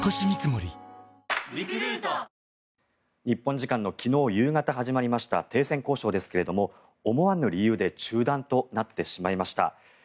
日本時間の昨日夕方始まりました停戦交渉ですが、思わぬ理由で中断となってしまいました。